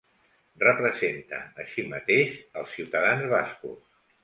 Representa, així mateix, als ciutadans bascos.